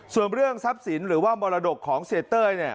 ส่วนเรื่องทรัพย์สินหรือว่ามรดกของเสียเต้ย